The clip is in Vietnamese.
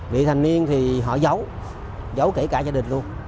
vị thành niên thì họ giấu giấu kể cả gia đình luôn